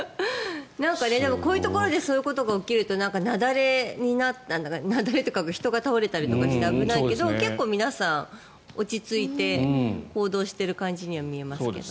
こういうところでそういうことが起きると雪崩というか人が倒れたりして危ないけど結構、皆さん落ち着いて行動している感じには見えますけど。